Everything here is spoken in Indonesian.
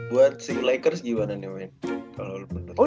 buat si lakers gimana nih wendy